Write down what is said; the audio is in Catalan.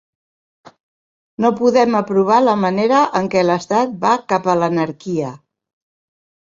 No podem aprovar la manera en què l'estat va cap a l'anarquia.